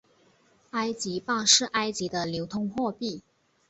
埃及镑是埃及的流通货币。